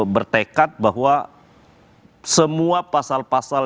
bertekad bahwa semua pasal pasal yang kontrol